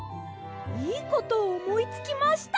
いいことをおもいつきました！